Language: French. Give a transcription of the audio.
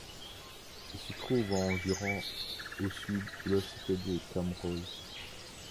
Il se trouve à environ au sud de la cité de Camrose.